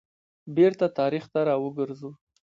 بیرته تاریخ ته را وګرځو.